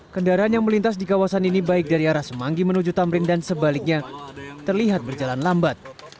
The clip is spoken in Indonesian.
kendaraan yang melintas di kawasan ini baik dari arah semanggi menuju tamrin dan sebaliknya terlihat berjalan lambat